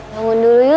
bangun dulu yuk